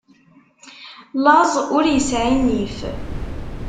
Laẓ ur isɛi nnif.